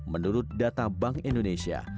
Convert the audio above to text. menurut data bank indonesia